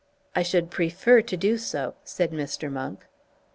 "I should prefer to do so," said Mr. Monk.